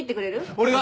俺が！